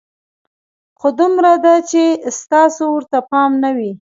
خو دومره ده چې ستاسو ورته پام نه وي.